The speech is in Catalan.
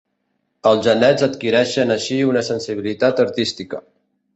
Els genets adquireixen així una sensibilitat artística.